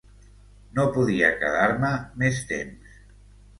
No podia quedar-me més temps.